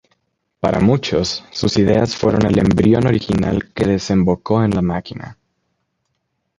Para muchos, sus ideas fueron el embrión original que desembocó en La Máquina.